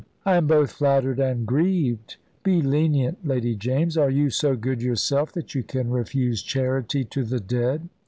"I am both flattered and grieved. Be lenient, Lady James. Are you so good yourself, that you can refuse charity to the dead?"